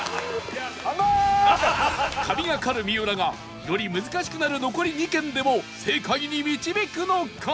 神がかる三浦がより難しくなる残り２軒でも正解に導くのか！？